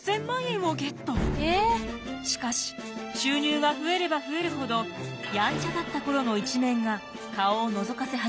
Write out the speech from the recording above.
しかし収入が増えれば増えるほどヤンチャだったころの一面が顔をのぞかせ始めます。